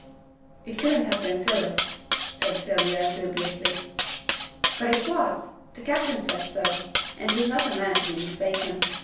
'It couldn't have been Philip,' said Sylvia, dubiously. 'But it was. The captain says so; and he's not a man to be mistaken.